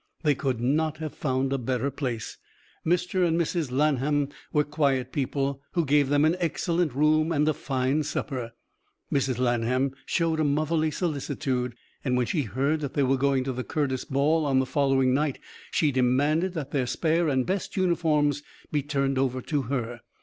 They could not have found a better place. Mr. and Mrs. Lanham were quiet people, who gave them an excellent room and a fine supper. Mrs. Lanham showed a motherly solicitude, and when she heard that they were going to the Curtis ball on the following night she demanded that their spare and best uniforms be turned over to her.